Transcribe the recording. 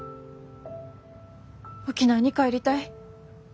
沖縄に帰りたい。